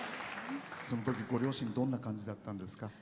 そのときご両親どんな感じだったんですか？